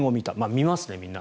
見ますね、みんな。